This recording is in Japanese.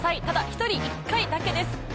ただ１人１回だけです。